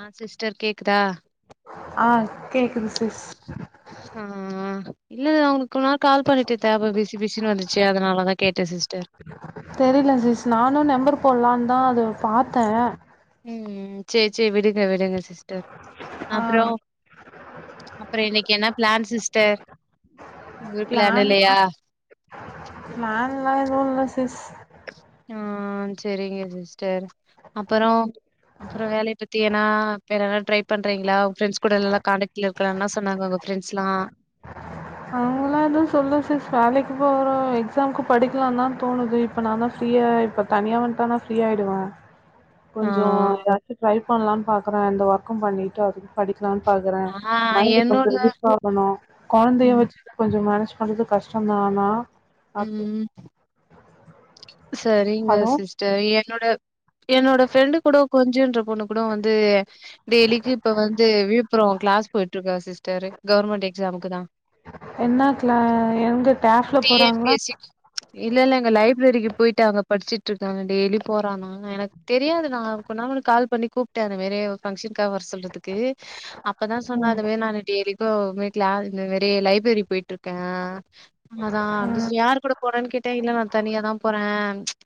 ஆ sister கேக்குதா ஆ கேக்குது சிஸ் ஆ இல்ல உங்களுக்கு ஒரு கால் பண்ணிட்டு தேவ பிசி பிசின்னு வந்துச்சு அதனால தா கேட்டே சிஸ்டர் தெரில சீஸ் நானு நெம்பர் போடலானு தா அதுல பாத்தே ம் சேரி சேரி விடுங்க விடுங்க சிஸ்டர் ஆ அப்ரோ அப்பரோ இன்னைக்கு என்ன பிளான் சிஸ்டர் ஒரு பிளான் இல்லையா [inaudible] பிளான்ளா எதுவு இல்ல சிஸ் ஆ சேரிங்க சிஸ்டர் அப்பரோ அப்புரோ வேலைய பத்தி ஏன்னா வேனா ட்ரை பண்றீங்களா ப்ரண்டஸ் கூடல்ல காண்டக்ட் ல இருக் அப்ரோ என்ன சொன்னாங்க ஒங்க ஃப்ரெண்ட்ஸ்ல்லா அவங்களா எது சொல்ல சிஸ் வேலைக்கு போரோ எக்ஸாம்கு படிக்கலாம் தா தோணுது இப்ப நா தா ஃப்ரீயா இப்ப தனியா வந்துட்டா நா ஃப்ரீயா ஆயிடுவே ஆ கொஞ்சோ ஏதாச்சு ட்ரை பண்லான்னு பாக்கறே இந்த ஒர்க்கும் பண்ணிட்டு அது படிக்கலான்னு பாக்கறே ஆ மைண்ட கொஞ்சோ என்னோட ரெளிப் ஆகணு கொழந்தைய ம் வச்சு கொஞ்சோ மேனேஜ் பண்றது கஷ்டந்தா ஆனா அப்ப செரிங்க ஹலோ சிஸ் என்னோட என்னோட ஃப்ரெண்டு கூட கொஞ்சுன்ற பொண்ணு கூட வந்து டெய்லிக்கு இப்ப வந்து விலுப்புரோ கிளாஸ் போயிட்டு இருக்கா சிஸ்டர் கவர்மெண்டட் எக்ஸாமுக்கு தா என்னா கிளா எங்க டேஃப்ல [unintelligible] போறாங்களா பேசிட் இல்ல இல்ல அங்க லைப்ரரிக்கு போயிட்டு அங்க படிச்சிட்டு இருக்காங்க டெய்லி போறான்னா எனக் தெரியாது நா கொன்னா முன்னாடி கால் பண்ணி கூப்ட்டே அந்த மாரி ஃபங்க்ஷனுக்காக வர சொல்றதுக்கு [inaudible] இப்பதா சொன்னா அந்த மாரி நானு டெய்லிக்கு வீட்ல இந்த மேரி லைப்ரரி போயிட்டு இருக்கே அதா அப்டி ம் சேரி யார் கூட போறேன்னு கேட்டே இல்ல நா தனியாதா போறே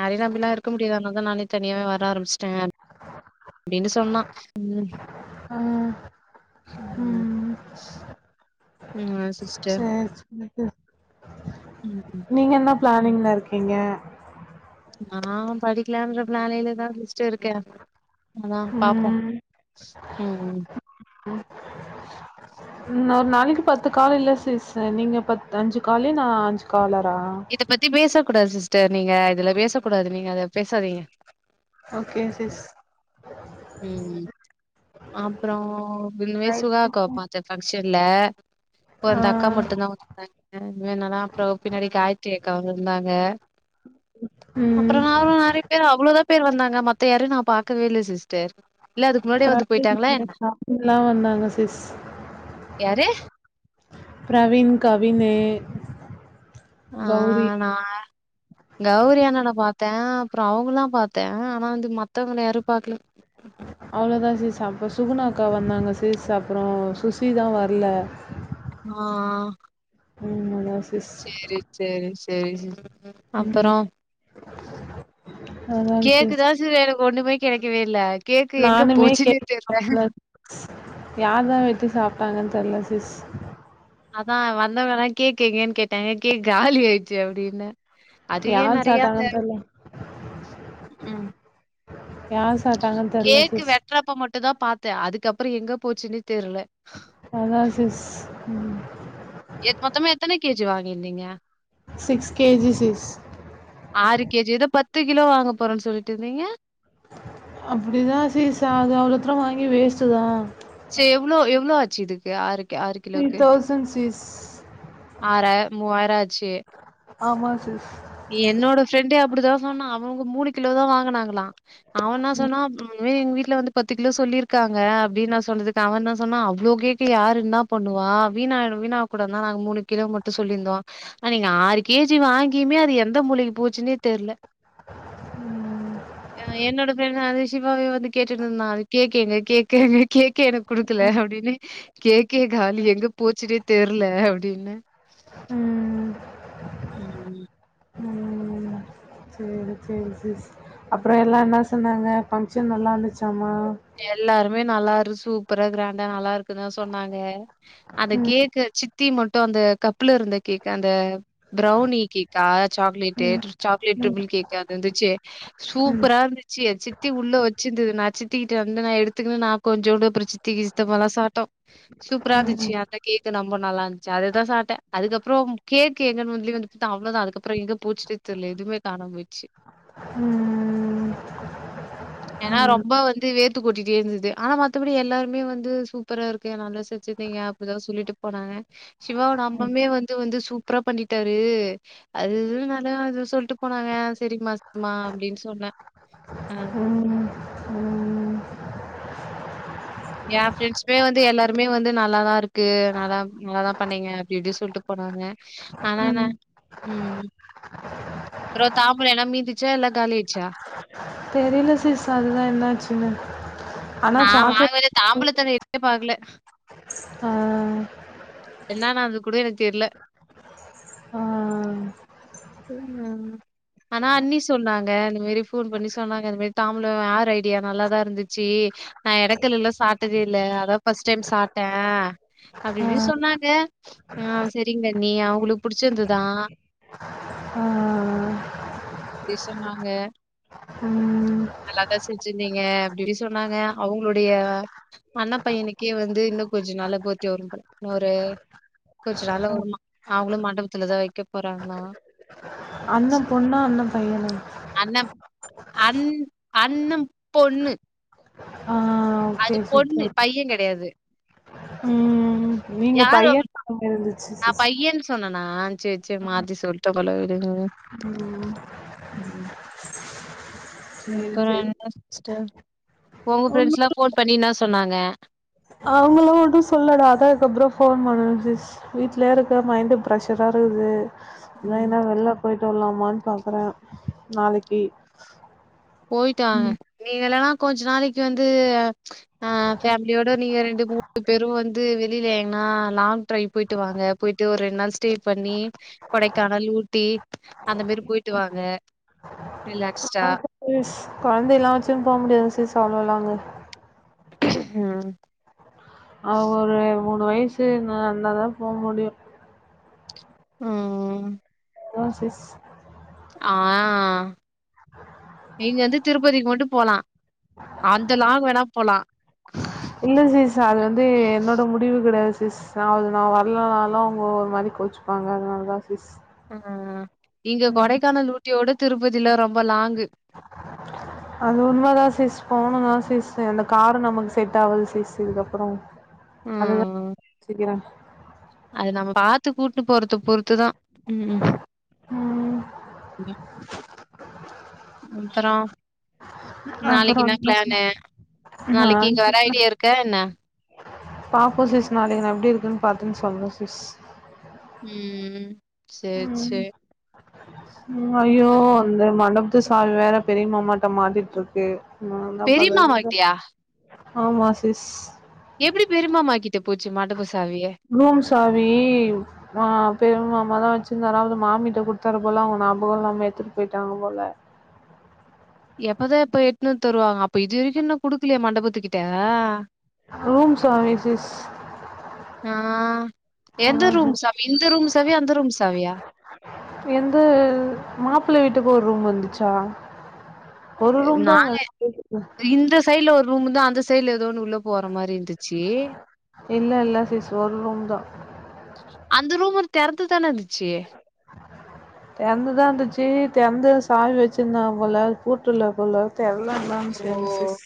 யாரையு நம்பில்லா இருக்க முடியாது அதுனாலதா நானே தனியாவே வர ஆரம்புச்சுட்டே அப்டின்னு சொன்னா ம் ஆ ம் ம் ஆமா சிஸ் சேரி நித்து ம் ம் நீங்க என்ன பிளானிங்கில்ல இருக்கீங்க நா படிக்கலான்ற பிளானிங்கில்லதா சிஸ்டர் இருக்கேன் அதா பாப்போ ம் ம் ம் [inaudible] இன்னொரு நாளைக்கு பத்து கால் இல்ல சிஸ்சு நீங்க பத்து அஞ்சு காலு நா அஞ்சு காலர இத பத்தி பேசக்கூடாது சிஸ்டர் நீங்க இதுல பேசக்கூடாது நீங்க அத பேசாதீங்க ஓகே சிஸ் ம் ம் அப்றோ ஒன்னுமே ரைட் சுதா அக்காவ சிஸ். பாத்தே பங்க்ஷன்ல இப்ப ஆ அந்த அக்கா மட்டுந்தா பாத்தோ இது என்னனா அப்றோ பின்னாடி காயத்திரி அக் அக்கா வந்துருந்தாங்க அப்றோ ம் யாரு வரி பேர் அவ்ளோதா பேர் வந்தாங்க மத்த யாரையு நா பாக்கவே இல்லை சிஸ்டர் இல்ல அதுக்கு முன்னாடியே வந்து போயிட்டாங்களா பிரவினு என்ன கவின் லா வந்தாங்க சிஸ் யாரு பிரவீன் கவின்னு ஆ நா கௌரி அண்ணண பார்த்தே அப்றோ அவுங்கல்லா பார்த்தே ஆனா வந்து மத்தவங்கள யாரையு பாக்கல ஆ [inaudible] அவ்ளோதா சிஸ் அப்போ சுகுணாக்கா வந்தாங்க சிஸ் அப்றோ சுசிதா வர்ல ஆ ஆ ம் அதா சிஸ் சேரி சேரி சேரி சிஸ் ம் அப்றோ கேக்குதா சிஸ் எனக்கு ஒண்ணுமே கேக்கவே இல்ல கேக்கு எங்க போச்சுன்னே தெர்ல யார தா வெட்டி சாப்பிட்டாங்கன்னு தெர்ல சிஸ் அதா வந்தவங்களா கேக் எங்கன்னு கேட்டாங்க கேக் காலி ஆயிடுச்சு அப்படின்ன அது ஏ யார் நறையா அந்த சாப்ட்டாங்கன்னு தெர்ல ம் யார் சாட் கேக்கு வெட்றப்ப மட்டுமந்தா பாத்தே அதுக்கப்றோ எங்க போச்சுன்னே தெர்ல அதா சிஸ் எத் மொத்தமா எத்தன கேஜி வாங்கீர்ந்தீங்க சிக்ஸ் கேஜி சிஸ் ஆறு கேஜி எதோ பத்து கிலோ வாங்க போறேன்னு சொல்லிட்டு இருந்தீங்க அப்டிதா சிஸ் சா அது அவ்ளோதூர வாங்கி வேஸ்ட்டு தா செ எவ்ளோ எவ்ளோ ஆச்சு இதுக்கு ஆறுக்கு ஆறுக் த்ரீ தௌசண்ட் சிஸ் ஆறாயிரோ மூவாயிரோ ஆச்சு ஆமா சிஸ் என்னோட ஃப்ரெண்டே அப்டிதா சொன்னா அவங்க மூணு கிலோ தா வாங்கனாங்களா அவ என்ன சொன்னா இந்த மேரி எங்க வீட்ல வந்து பத்து கிலோ சொல்லியிருக்காங்க அப்டின்னு நா சொன்னதுக்கு அவன் என்ன சொன்னா அவ்ளோ கேக்க யார் என்னா பண்ணுவா வீணா வீணாயிட கூடாதுனுதா நாங்க மூணு கிலோ மட்டு சொல்லிருந்தோ ஆனா நீங்க ஆறு கேஜி வாங்கியுமே அது எந்த மூளைக்கு போச்சுன்னே தெர்ல ம் ஆ என்னோட பேர்தா அந்த சிவாவே வந்து கேட்டுட்ருந்தா அது கேக்கு எங்க கேக்கு எங்க கேக்கே எனக்கு கொடுக்கல அப்டின்னு கேக்கே காலி எங்க போச்சுன்னே தெரில அப்டின்னு ம் ம் ம் சேரி சேரி சிஸ் அப்றோ எல்லா என்ன சொன்னாங்க ஃபங்க்ஷன் நல்லா இருந்துச்சாமா எல்லாருமே நல்லா இரு சூப்பரா கிராண்டா நல்லா இரு க்கு சொன்னாங்க அந்த ம் கேக் சித்தி மட்டு அந்த கப்புல இருந்த கேக் அந்த ப்ரௌனி கேக்கா சாக்லேட்டு ம் சாக்லேட் ம் மில் கேக் இங்க வந்துருந்துச்சு ம் சூப்பரா இருந்துச்சு சித்தி உள்ள வச்சிருந்தது நா சித் சித்திக்கிட்ட இருந்து நா எடுத்துக்குனு நா கொஞ்சோடு அப்புறு சித்திக்கு சித்தப்பாலா சாப்ட்டோ சூப்புரா ம் இருந்துச்சு அந்த கேக்கு ரொம்ப நல்லா இருந்ச்சு அதுதா சாப்ட்ட அதுக்கப்புறோம் கேக்கு எங்கன் வந்துலி வந்து பாத்தா அவ்ளோதா அதுக்கப்புறோ எங்க போச்சுனே தெர்ல எதுமே காணாம் போய்ச்சு ம் ஏனா ம் ம். ரொம்ப வந்து வேர் த்து கொட்டிட்டே இருந்தது ஆனா மத்தபடி எல்லாருமே வந்து சூப்பரா இருக்கு நல்லா செச்சிர்ந்தீங்க அப்டிதா சொல்லிட்டு போனாங்க சிவாவோட அம்மம்மே வந்து வந்து சூப்ரா பண்ணிட்டாரு அது இதுன் நல்லா அது சொல்ட்டு போனாங்க செரிமா செரிமா அப்டின் சொன்ன ம் ம் ஏன் ஃபிரெண்ஸ்மே வந்து எல்லாருமே வந்து நல்லாதா இருக்கு நல்லா நல்லாதா பண்ணீங்க அப்டி இப்டி சொல்ட்டு போனாங்க ஆனா என்ன ம் ம் அப்றோ தாம்ப்ளோ எல்லா மீந்துச்சா எல்லா காலியாட்ச்சா தெரில சிஸ் அதுலா என்னாச்சுனு நா வாங்கவச்ச தாம்பளத்தவே எட்த்து பாக்குல ஆ என்னா நன்ந்து கூட எனக் தெர்ல ஆ தெரியுமா அதுலா ஆனா அண்ணி சொன்னாங்க அந்த மாரி ஃபோன் பண்ணி சொன்னாங்க இது மாரி தாம்புலோ யார் ஐடியா நல்லாதா இருந்துச்சு நா எடக்கல்லுல சாப்டதே இல்ல அதா ஃபஸ்ட் டைம் சாப்ட்ட ஆ அப்டின்னு சொன்னாங்க ஆ செரிங்கண்ணி அவுங்களுக் புடிச்சிருந்துதா ஆ அப்டி சொன்னாங்க ம் நல்லாதா செஞ்சிருந்தீங்க அப்டின்னு சொன்னாங்க அவுங்ளுடைய அண்ண பையனுக்கே வந்து இன்னு கொஞ்சு நாள்ல பேத்ரே வரும் போல இன்னொரு கொஞ்சு நாள்ல வருமா அவுங்குளு மண்டபத்துலதா வைக்க போறாங்ளா அண்ண பொண்ணா அண்ணன் பையனா அண்ண அன் அண்ணன் பொண்ணு ஆ ஓகே அது பொண்ணு சூப்பர் பையன் கெடையாது ம் நீங்க யாரோ பையன் சொன் மாரி இருந்துச்சு நா சிஸ் பையன்னு சொன்னனா செர் செர் மாத்தி சொல்ட்ட போல விடுங்க ம் ம் சேரி சூப்பரா சேரி இருந்தா சிஸ்டர் ஒங்க ஒன்னு பிரெண்ஸ்லா ஃபோன் பண்ணி இன்ன சொன்னாங்க அவுங்களா ஒன்னு சொல்லடா அதா அதுக்கப்றோ ஃபோன் பண்ண சிஸ் வீட்லே இருக்க மைண்டு பிரெஷரா இருக்குது அதா ம் எங்னா வெள்ல போய்ட்டு வர்லாமான் பாக்குற நாளைக்கு போயிட்டு வாங்க நீங்க இல்லனா கொஞ்ச நாளைக்கு வந்து ஆ ஃபேமிலியோட நீங்க ரெண்டு மூணு பேரூ வந்து வெளில எங்னா லாங் ட்ரைவ் போய்ட்டு வாங்க போய்ட்டு ஒரு ரெண் நாள் ஸ்டே பண்ணி கொடைக்கானல் ஊட்டி அந்த மாரி போய்ட்டு வாங்க ரிலாக்ஸ்டா இஸ் குழந்தைலா வச்சுன் போ முடியாது சிஸ் அவுளோ லாங்கு ம் அவுள் நேரமு மூணு வயசு இருந்தந்த தா போ முடியு ம் அதா சிஸ் ஆ நீங்க வந்து திருப்பதிக்கு மட்டு போலா அந்த லாங் வேணா போலா இல்ல சிஸ் அது வந்து என்னோட முடிவு கெடையாது சிஸ் ச வுது நா வரலனாலு அவுங்க ஒரு மாரி கோச்சுப்பாங்க அதனாலதா சிஸ் ஆ இங்க ம் கொடைக்கானல் ஊட்டியோட திருப்பதில ரொம்ப லாங்கு அது உண்ம தா சிஸ் போணுதா சிஸ் அந்த காரு நமக்கு செட் ஆவாது சிஸ் இதுக்கப்பறோ அதுதா ம் யோச்சிக்கிறே அது நம்ம பாத்துகூட்டு போறத பொறுத்துதா ம் ம் முப்பறோ நாளைக்கி என்ன பிளானு நாளைக்கி இங்க வர்ற ஐடியா இருக்க என்ன பாப்போ சிஸ் நாளைக்கி நா எப்டி இருக்குன்னு பாத்துன்னு சொல்றே சிஸ் ம் சேரி ம் சேரி ம் ஐயோ இந்த மண்டபத்து சாவி வேற பெரிய மாமாட்ட மாட்டிட்டு இருக்கு ஆ என்ன பண்றதுங்க பெரியமாமாகிட்டயா எப்டி பெருமாமாக்கிட்ட போச்சு மண்டபசாவி ரூம் சாவி ஆ பெரும் மாமா தா வச்சிருந்தாரா அதாவது மாமிட்ட குடுத்தாரு போல அவுங்க ஞாபக இல்லாம எடுத்துட்டு போயிட்டாங்க போல எப்பதா இப்ப எத்துனு வந்து தருவாங்க அப்ப இது வரைக்கு இன்னு குடுக்கலயா மண்டபத்துக்கு ட்ட ரூம் சர்வீஸ் திஸ் ஆ எந்த ரூம் சாவி இந்த ரூம்சாவியா அந்த ரூம்சாவியா எந்த மாப்பிள்ள வீட்டுக்கு ஒரு ரூம் வந்துச்சா ஒரு அ ரூம் தான் அங்க நாங்க இருக்கு இப்ப இந்த சைட்ல ஒரு ரூம் வந்த அந்த சைடுல ஏதோன்னு உள்ள போற மாரி இருந்துச்சு இல்ல இல்ல சிஸ் ஒரு ரூம் தான் அந்த ரூம் மட்டு தெறந்துதான இருந்துச்சு தெறந்து தா இருந்துச்சு தெறந்த சாவி வச்சிருந்தாங்க போல பூட்டுள்ள போல தெர்ல லாங் ஓ சென் சிஸ்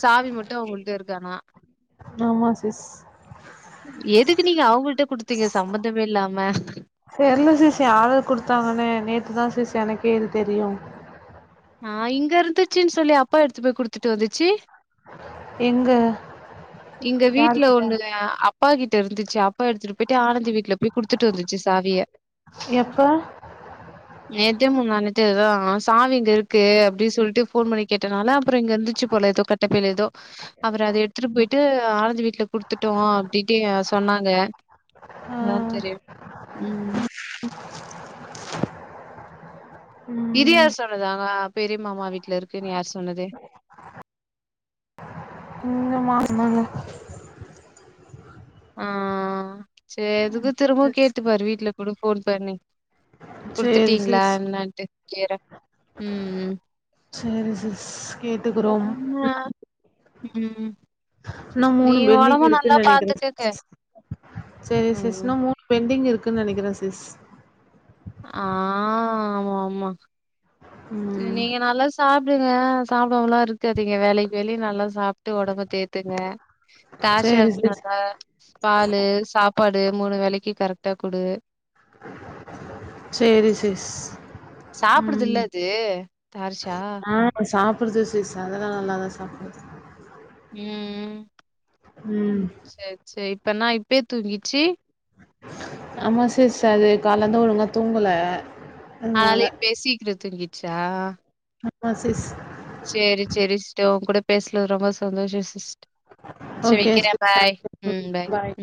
சாவி மட்டு அவங்கள்ட்ட இருக்கு ஆனா ஆமா சிஸ் எதுக்கு நீங்க அவுங்கள்ட்ட குடுத்தீங்க சம்பந்தமே இல்லாம தெர்ல சிஸ் யாரு குடுத்தாங்கன்னே நேத்து தா சிஸ் எனக்கே இது தெரியு ஆ இங்க இருந்துச்சின்னு சொல்லி அப்பா எடுத்து போய் குடுத்துட்டு வந்துச்சு எங்க எங்க வீட்ல யார்கிட்ட ஒண்ணு அப்பா கிட்ட இருந்துச்சு அப் அப்பா எடுத்துட்டு போயிட்டு ஆனந்தி வீட்ல போய் குடுத்துட்டு வந்துச்சு சாவிய எப்ப நேத்தே முன்னானேத்தேதா சாவி இங்க இருக்கு அப்டி சொல்ட்டு ஃபோன் பண்ணி கேட்டனால அப்பறோ இங்க இருந்துச்சு போல ஏதோ கட்டப்பைல ஏதோ அப்பறோ அத எடு போயிட்டு ஆனந்தி வீட்ல குடுத்துட்டோ அப்டின்ட்டே சொன்னாங்க ஆ, என்னா தெரில ம் இது ம், யார் சொன்னதாங்க பெரிய மாமா வீட்ல இருக்குன்னு யாரு சொன்னது இந்த மா சொன்னாங்க ஆ செரி எதுக்கு திரும்பவு கேட்டுப்பாரு வீட்ல கூட ஃபோன் பண்ணி சரி குடுத்துட்டீங்களா சிஸ் என்னட்டு கேறே ம் ம் சரி சிஸ் கேட்டுக்கறோம் ஆமா. ம் இன்னு நீ மூணு பென்டிங் ஒடம்ப நல்லா இருக்குன்னு நனைக்கிறே பாத்துக்கங்க சிஸ் சேரி சிஸ் ம் இன்னு மூண் பென்டிங் இருக்குன்னு நனைக்கிற சிஸ் ஆ ஆமா ஆமா ம் நீங்க நல்லா சாப்டுங்க சாப்டாமலா இருக்காதீங்க வேலைக்கு வேலை நல்லா சாப் ட்டு ஒடம்ப தேத்துங்க சேரி தார்ஷாக்கு சிஸ் நல்லா பாலு சாப்பாடு மூணு வேலைக்கு கரெக்டா குடு சேரி சிஸ் ம் சாப்புடுதுல்ல அது தார்ஷா ஆ சாப்புடுது சிஸ் அதலா நல்லாதா சாப்புடுது ம் ம் ம் சேரி சேரி இப்ப என்னா இப்பே தூங்கிச்சு ஆமா சிஸ் அது காலந்து ஒழுங்கா தூங்கல அதனால இப்பே சீக்கரோ தூங்கிச்சா ஆமா சிஸ் சேரி சேரி சிஸ்டர் உங்க கூட பேசலது ரொம்ப சந்தோஷோ சிஸ் சேரி ஓகே வக்கிறே சிஸ் பாய் தேங்க்யூ ம் பாய் ம்.